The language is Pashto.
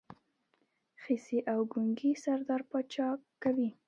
خصي او ګونګی سردار پاچا کوي.